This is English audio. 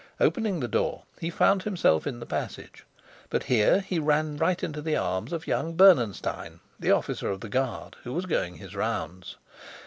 Opening the door, he found himself in the passage. But here he ran right into the arms of young Bernenstein, the officer of the guard, who was going his rounds.